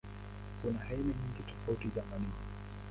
Kuna aina nyingi tofauti za madini.